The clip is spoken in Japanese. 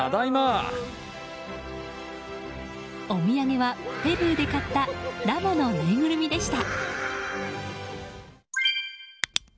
お土産はペルーで買ったラマのぬいぐるみでした。